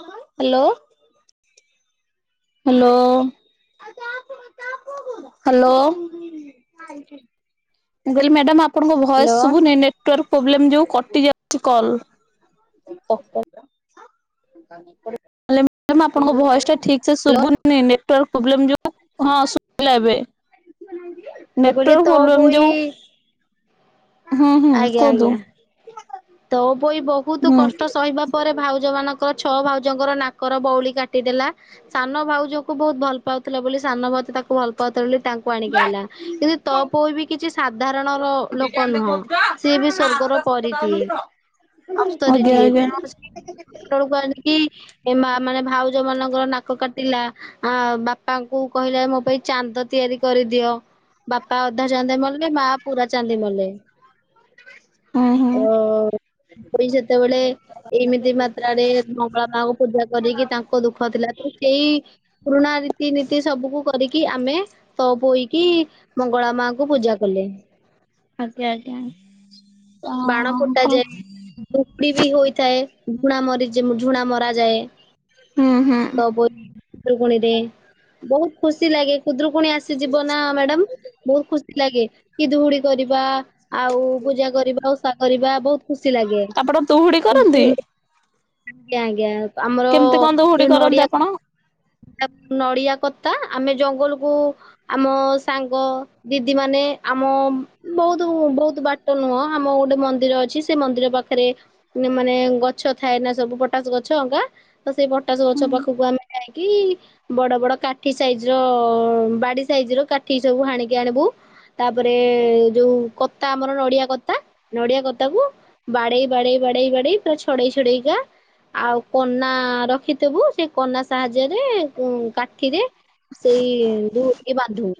Hello. Hello hello. ମୁଁ କହିଲି madam ଆପ୍ ଆପଣଙ୍କ ଭଏସ୍ ହ୍ୟାଲୋ। ସୁଭୁନି। ନେଟୱାର୍କ ପ୍ରୋବ୍ଲେମ ଯୋଗୁଁ କଟି ଯାଉଛି କଲ୍। ସତ। ମ୍ୟାଡାମ ଆପଣଙ୍କ ଭଏସ୍ ଟା ଠିକ୍ ଶୁୁବୁନି ନେଟୱାର୍କ ପ୍ରୋବ୍ଲେମ ଯୋଗୁଁ ହଁ ଶୁବିଲା ଏବେ। ମୁଁ ନେଟ କହିଲି ତୋ ପ୍ରୋବଲେ ବୋଇ ଯଉ ହୁଁ ହୁଁ କୁହନ୍ତୁ। ତୋପୋଇ ବହୁତ ହୁଁ କଷ୍ଟ ସହିବା ପରେ ଭାଉଜ ମାନଙ୍କର ଛଅ ଭାଉଜଙ୍କର ନାକର ବଉଲି କାଟିଦେଲା। ସାନ ଭାଉଜକୁ ବହୁତ ଭଲ ପାଉଥିଲା ବୋଲି ସାନ ଭାଉ ତାକୁ ଭଲ ପାଉଥିଲେ ବୋଲି ତାଙ୍କ ଆଣିକି ଆଲା କିନ୍ତୁ ତୋପୋଉ ବି କିଛି ସାଧାରଣ ର ଲୋକ ନୁହଁ। ସିଏ ବି ସ୍ଵର୍ଗର ପରୀ ଟିଏ। ଆଜ୍ଞା ଅପ୍ସରୀଟିଏ ଆଜ୍ଞା। ତେଣୁ ସେଳକୁ ଆଣିକିି ଏ ମା ମାନେ ଭାଉଜ ମାନଙ୍କର ନାକ କାଟିଲା। ଆ ବାପାଙ୍କୁ କହିଲା ମୋ ପାଇଁ ଚାନ୍ଦ ତିଆରି କରିଦିଅ। ବାପା ଅଧା ଚାନ୍ଦି ମଲେ। ମା ପୁରା ଚାନ୍ଦି ମଲେ। [unintelligible] ଅ ସେତେବେଳେ ଏମିତି ମାତ୍ରାରେ ମଙ୍ଗଳା ମାଙ୍କୁ ପୂଜା କରିକି ତାଙ୍କ ଦୁଃଖ ଥିଲା ତ ସେଇ ପୁରୁଣା ରୀତିନୀତି ସବୁକୁୁ କରିକି ଆମେ ତପୋଇକି ମଙ୍ଗଳା ମାଙ୍କୁୁ ପୂଜା କଲେ। ଆଜ୍ଞା ଆଜ୍ଞା। ଅ ବାଣ ଫୁଟା ହୁଁ ଯାଏ ବୁକୁଡି ବି ହୋଇଥାଏ। ଝୁଣା ମରି ଯେ ଝୁଣା ମରାଯାଏ। ହୁଁ। ତ ବୋଇ ଖୁଦୁକୁଣୀରେ ବହୁତ ଖୁସି ଲାଗେ। ଖୁଦ୍ରୁକୁଣୀ ଆସ ଯିବ ନା ମ୍ୟାଡାମ ବହୁତ ଖୁସି ଲାଗେ। କି ଦୁହୁଡି କରିବା ଆଉ ପୂଜା କରିବା। ଆ ଓଷା କରିବା ବହୁତ ଖୁସି ଲାଗେ। ଆପଣ ଦଉହୁଡି କରନ୍ତି କିନ୍ତୁ ଆଜ୍ଞା ଆଜ୍ଞା। ଆମର କେମିତି କଣ ଦଉହୁଡି ଯୋଉ କରନ୍ତି ନଡିଆ ଆପଣ? କ ନଡିଆ କତା ଆମେ ଜଙ୍ଗଲକୁୁ ଆମ ସାଙ୍ଗ ଦିଦି ମାନେ ଆମ ବହୁତ ବହୁତ ବାଟ ନୁହଁ। ଆମ ଗୋଟେ ମନ୍ଦିର ଅଛି। ସେ ମନ୍ଦିର ପାଖରେ ମାନେ ଗଛ ଥାଏ ନା ସବୁ ପଟାସ ଗଛ ଅଙ୍କା। ତ ସେଇ ପଟାସ ଗଛ ପାଖକୁ ଆମେ ଯାଇକି ବଡ ବଡ କାଠି ସାଇଜ୍ ର ବାଡି ସାଇଜ୍ ର କାଠି ସବୁ ହାଣିକି ଆଣିବୁ। ତାପରେ ଯୋଉ କତା ଆମର ନଡିଆ କତ୍ ନଡିଆ କତାକୁ ବାଡେଇ ବାଡେଇ ବାଡେଇ ବାଡେଇ ଛଡେଇ ଛଡେଇକା ଆଉ କନା ରଖିଥବୁ। ସେ କନା ସାହାଯ୍ୟରେ କାଠିରେ ସେଇ ଦୋଉଡିକୁ ବାନ୍ଧିବୁ।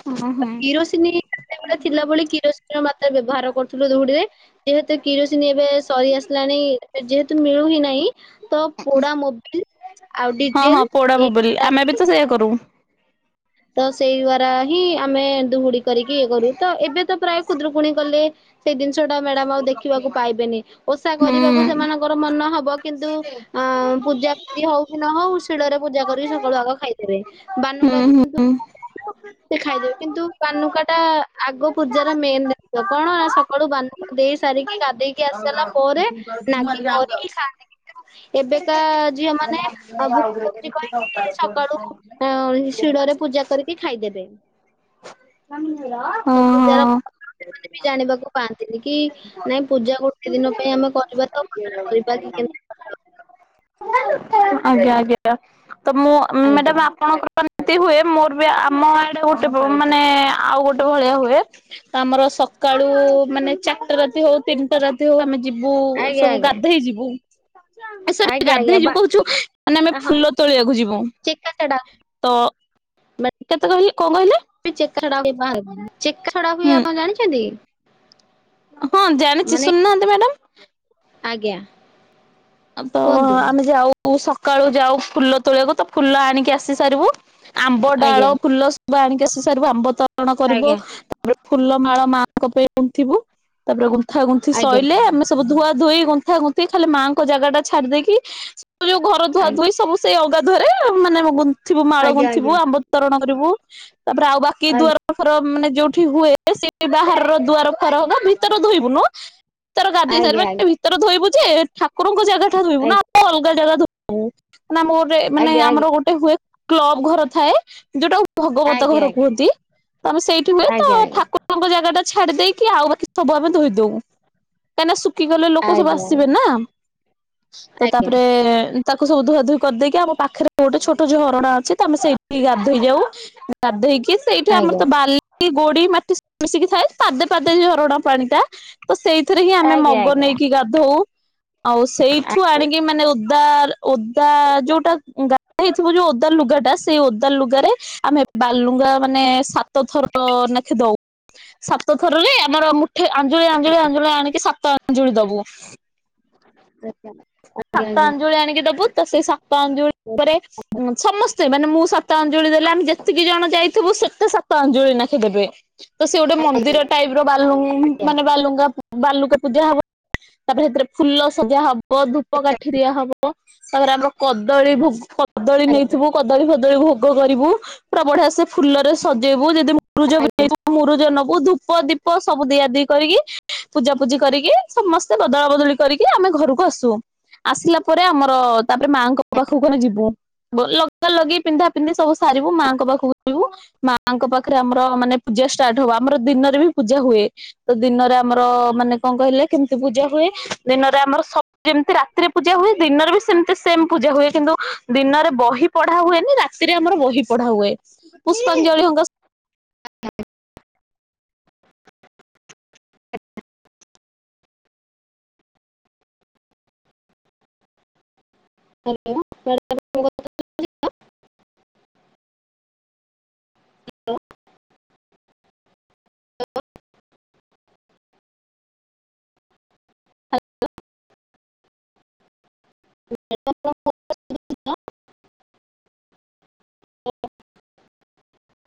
ହଁ ହଁ କିରୋସିନ ସେତେବେଳେ ଥିଲା ବୋଲି କିରୋସିନିର ମାତ୍ରା ବ୍ୟବହାର କରୁଥିଲୁ ଦଉଡିରେ। ଯେହେତୁ କିରୋସିନ ଏବେ ସରି ଆସିଲାଣି ଯେହେତୁ ମିଳୁ ହି ନାହିଁ। ତ ପୋଡା ମୋବିଲି ହଁ ହଁ। ପୋଡ଼ା ମୋବିଲ୍ ରେ ଆମେ ବି ତ ସେଇୟା କରୁ। ତ ସେଇ ଦ୍ଵାରା ହିଁ ଆମେ ଦୁହୁଡି କରିକି ଇଏ କରୁ ତ ଏବେ ତ ପ୍ରାୟ ଖୁଦ୍ରକୁଣୀ କଲେ ସେଇ ଜିନିଷ ଟା ମ୍ୟାଡାମ ଆଉ ଦେଖିବାକୁ ପାଇବେନି, ଓଷା କରିବାକୁ ସେମାନଙ୍କର ମନ ହବ କିନ୍ତୁ ଅ ହୁଁ ପୂଜା ହଉ କି ନ ହଉ ଶିଳରେ ପୂଜା କରିକି ସକାଳୁ ଆଗ ଖାଇଦେବେ। ବାନୁକା ହୁଁ ସେ ଖାଇଦେବେ କିନ୍ତୁ କାନୁକା ଟା ଆଗ ପୂଜାର ମେନ୍ ଜିନି କଣ ନା ସକାଳୁ ବାନୁକା ଦେଇ ସାରିକି ଗାଧେଇକି ଆସି ସାରିଲା ପରେ ନାଗି କରିକି ଖାଆ ଏବେକା ଝିଅ ମାନେ ଭୋକ କରୁଛି କହିକି ସକାଳୁ ଅ ଶିଳରେ ପୂ ପୂଜା କରିକି ଖାଇଦେବେ। ଓହୋ ତ ପୂଜାର ଜାଣ ଜାଣିବାକୁ ପାଆନ୍ତିନି କି ନାଇଁ ପୂଜା ଗୋଟେ ଦିନ ପାଇଁ ଆମେ କରିବା ତ ଘରେ କରିବା କି କେ ଆଜ୍ଞା ଆଜ୍ଞା। ତ ମୁଁ ଆଜ୍ଞା ମ୍ୟାଡାମ ଆପଣଙ୍କ ଏମିତି ହୁଏ। ମୋର ବି ଆମ ଆଡେ ଗୋଟେ ମାନେ ଆଉ ଗୋଟେ ଭଳିଆ ହୁଏ। ତ ଆମର ସକାଳୁ ମାନେ ଚାରିଟା ରାତି ହଉ ତିନିଟା ରାତି ହଉ ଆମେ ଯିବୁ ଆଜ୍ଞା ସବୁ ଆଜ୍ଞା ଗାଧେଇ ଯିବୁ। ସରୀ ଆଜ୍ଞା ଆଜ୍ଞା ଗାଧେଇ ଯିବୁ ବା କହୁଛୁ, ମାନେ ଆମେ ହଁ ଫୁଲ ତୋଳିବାକୁ ଯିବୁ। ଚେକା ଛଡା ତ କେତେ କହି କଣ କହିଲେ? ଚେକା ଛଡା ହୁଏ ବାହାରେ, ଚେକା ଛଡା ହୁଁ ହୁଏ ଆପଣ ଜାଣିଛନ୍ତି? ହଁ ଜାଣିଛି ମାନେ ଶୁନୁନାହାନ୍ତି ମ୍ୟାଡମ୍ ଆଜ୍ଞା। ତ କୁହନ୍ତୁ ଆମେ ଯାଉ ସକାଳୁ ଯାଉ ଫୁଲ ତୋଳିବାକୁ ତ ଫୁଲ ଆଣିକି ଆସି ସାରିବୁ ଆମ୍ବ ଡାଳ ଆଜ୍ଞା ଫୁଲ ସବୁ ଆଣିକି ଆସି ସାରିବୁ, ଆମ୍ବ ତରଣ କରିବୁ ଆଜ୍ଞା ଫୁଲ ମାଳ ମାଙ୍କ ପାଇଁ ଗୁନ୍ଥିବୁ ତାପରେ ଗୁନ୍ଥା ଗୁନ୍ଥି ଆଜ୍ଞା ଶୋଇଲେ ଆମେ ସବୁ ଧୁଆ ଧୋଇ ଗୁନ୍ଥା ଗୁନ୍ଥ ଖାଲି ମାଆଙ୍କ ଜାଗା ଟା ଛାଡି ଦେଇେଇକି ଯୋଉ ଘର ଧୁଆ ଆଜ୍ଞା ଧୁୋଇ ସବୁ ସେଇ ଅଗାଧୂଆରେ ମାନେ ଙ୍ଗୁଥିବୁ ମାଳ ଆଜ୍ଞା ଗୁନ୍ଥିବୁ ଆଜ୍ଞା ଆମ୍ବ ତରଣ କରିବୁ ତାପରେ ଆଉ ବାକି ଦୁଆର ଘର ମାନେ ଯୋଉଠି ହୁଏ ସେଇ ବାହାରର ଦୁଆର ଫାର ହ ଭିତରେ ଧୋଇବୁ ନୁ ଭିତର ଗାଧେଇ ଆଜ୍ଞା ଆଜ୍ଞା ସାରିବ ଭିତରେ ଧୋଇବୁ ଯେ ଠାକୁରଙ୍କ ଜାଗା ଟା ଧୋଇବୁ ନା ଆଉ ଅଲଗା ଜାଗା ଧୋ ଓ ମାନେ ଆମର ଗୋଟେ ମାନେ ଆଜ୍ଞା ଆଜ୍ଞା ଆମର ଗୋଟେ ହୁଏ କ୍ଲବ ଘର ଥାଏ ଯୋଉଟା ଭଗବତ ଆଜ୍ଞା ଘର ଆଜ୍ଞା କୁହନ୍ତି। ତ ଆମେ ସେଇଠି ହୁଏ ଆଜ୍ଞା ଆଜ୍ଞା ଆଜ୍ଞା ଆଜ୍ଞା ଠାକୁ ଆଜ୍ଞା ଠାକୁର ଙ୍କ ଜାଗା ଟା ଛାଡି ଦେଇକି ଆଉ ବାକି ସବୁ ଆମେ ଧୋଇଦଉ। କାହିଁକିନା ଶୁଖି ଗଲେ ଲୋକ ସବୁ ଆସିବେ ନା। ତ ତାପରେ ତାକୁ ସବୁ ଧୁଆ ଧୁଇ କରିଦେଇକି, ଆମ ପାଖରେ ଗୋଟେ ଛୋଟ ଯୋଉ ଝରଣା ଅଛି ଆମେ ସେଇଠି ଗାଧୋଇ ଯାଉ। ଗାଧେଇକି ସେଇଠି ଆମର ତ ବାଲି ଗୋଡି ମାଟି ମିଶିକି ଥାଏ। ପାଦେ ପାଦେ ଝରଣ ପାଣି ଟା, ତ ସେଇଥିରେ ହିଁ ଆମେ ଆଜ୍ଞା ଆଜ୍ଞା ମଗ ଆଜ୍ଞା ନେଇକି ଗାଧଉ ଆଉ ସେଇଠୁ ଆଣିକି ମାନେ ଓଦା, ଓଦା ଯୋଉଟା ଗା ହେଇଥିବ ଯୋଉ ଓଦା ଲୁଗା ଟା ସେଇ ଓଦା ଲୁଗାରେ ଆମେ ବାଲୁଙ୍ଗା ମାନେ ସାତଥର ନାଖେ ଦଉ ସାତ ଥରରେ ଆମର ମୁଠେ ଆଞ୍ଜଳି ଆଞ୍ଜୁଳି ଆଞ୍ଜୁଳି ଆଣିକି ସାତ ଆଞଜଳି ଦବୁ ସେ ସାତ ଅଞ୍ଜୁଳି ଆଣିକି ଦବୁ ତ ସେଇ ସାତ ଅଞ୍ଜୁଳି ଉପରେ ସମସ୍ତେ ମାନେ ମୁଁ ସାତ ଅଞ୍ଜଳି ଦେଲେ ଆମେ ଯେତିକି ଜଣ ଯାଇଥିବୁ ସେତେ ସାତ ଅଞ୍ଜଳି ନାଖେ ଦେବେ ତ ସେ ଗୋଟେ ମନ୍ଦିର ଟାଇପ୍ ର ବାଲୁ- ମାନେ ବାଲୁଙ୍ଗା ବାଲୁକା ପୂଜା ହବ। ତାପରେ ସେଥିରେ ଫୁଲ ସଜା ହବ, ଧୂପ କାଠି ଦିଆ ହବ ତାପରେ ଆମର କଦଳୀ ଭୋ-କଦଳୀ ନେଇଥିବୁ କଦଳୀ ଫଦଳୀ ଭୋଗ କରିବୁ, ପୁରା ବଢିଆ ସେ ଫୁଲରେ ସଜେଇବୁ ଯଦି ମୁରୁଜ ମୁରୁଜ ନବୁ ଧୁ ଧୂପ ଦୀପ ସବୁ ଦିଆ ଦୁଇ କରିକି ପୂଜା ପୂଜି କରିକି ସମସ୍ତେ ବଦଳ ବଦାଳି କରିକି ଆମେ ଘରକୁ ଆସୁ। ଆସିଲା ପରେ ଆମର ତାପରେ ମାଆଙ୍କ ପାଖକୁ ଆମେ ଯିବୁ ଲଗା ଲଗି ପିନ୍ଧା ପିନ୍ଧି ସବୁ ସାରିବୁ ମାଆଙ୍କ ପାଖକୁ ଯିବୁ ମାଙ୍କ ପାଖରେ ଆମର ମାନେ ପୂଜା ଷ୍ଟାର୍ଟ ହବ। ଆମର ଦିନରେ ବି ପୂଜା ହୁଏ। ତ ଦିନରେ ଆମର ମାନେ କଣ କହିଲେ, କେମତି ପୂଜା ହୁଏ ଦିନରେ ଆମର ସବ୍ ଯେମିତି ରାତିରେ ପୂଜା ହୁଏ, ଦିନରେ ବି ସେମିତି ସେମ୍ ପୂଜା ହୁଏ। କିନ୍ତୁ ଦିନରେ ବହି ପଢା ହୁଏନି, ରାତିରେ ଆମର ବହି ପଢା ହୁଏ ପୁଷ୍ପାଞ୍ଜଳି ହିକା ହାଲୋ। [unintelligible]